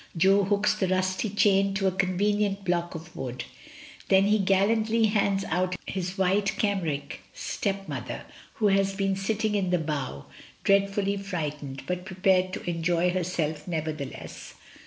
Jo hooks the rusty chain to a convenient block of wood, then he gallantly hands out his white cambric stepmother, who has been sitting in the bow, dread fully frightened, but prepared to enjoy herself never theless.